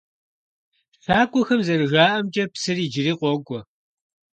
ЩакӀуэхэм зэрыжаӀэмкӀэ, псыр иджыри къокӀуэ.